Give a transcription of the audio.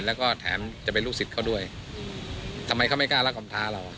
แล้วก็แถมจะเป็นลูกศิษย์เขาด้วยทำไมเขาไม่กล้ารักคำท้าเรา